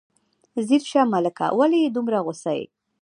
خیر شه ملکه، ولې دومره غوسه یې.